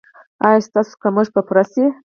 ایا ستاسو کمښت به پوره شي؟